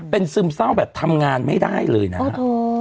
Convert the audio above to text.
เป็นซึมเศร้าแบบทำงานไม่ได้เลยนะครับ